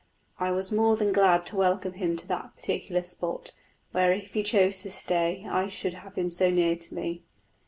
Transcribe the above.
I was more than glad to welcome him to that particular spot, where if he chose to stay I should have him so near me.